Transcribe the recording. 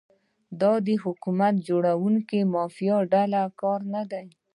دا د حکومت د جوړونکي مافیایي ډلې کار نه دی.